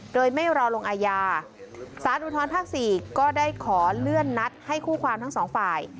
โดยไม่รอลงอาญาสารอุทธรภาค๔ก็ได้ขอเลื่อนนัดให้คู่ความทั้งสองฝ่าย